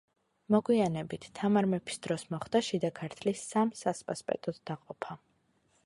მოგვიანებით, თამარ მეფის დროს მოხდა შიდა ქართლის სამ სასპასპეტოდ დაყოფა.